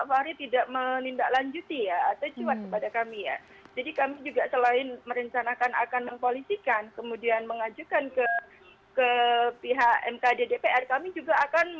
masih menuntut supaya pemerintah juga